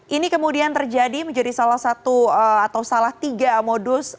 ini kemudian terjadi menjadi salah satu atau salah tiga modus